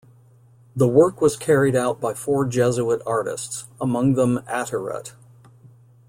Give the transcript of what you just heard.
The work was carried out by four Jesuit artists, among them Attiret.